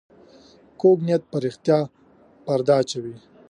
کوږ نیت پر رښتیا پرده واچوي